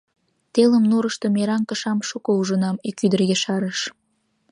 — Телым нурышто мераҥ кышам шуко ужынам, — ик ӱдыр ешарыш.